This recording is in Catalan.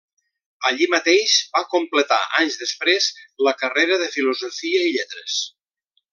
Allí mateix va completar anys després la carrera de Filosofia i Lletres.